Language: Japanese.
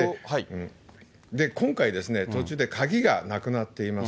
今回、途中で鍵がなくなっています。